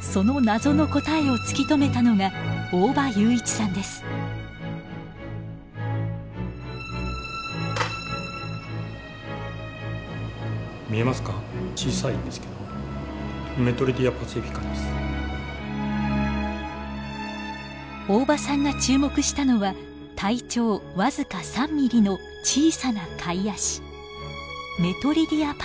その謎の答えを突き止めたのが大場さんが注目したのは体長僅か３ミリの小さなカイアシ